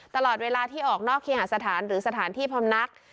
ตลอดเวลาที่ออกนอกเคหาสถานหรือสถานที่พำนัก